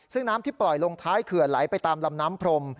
ซึ่งน้ำที่ปล่อยลงท้ายเขื่อนไหลไปตามลำน้ำพรม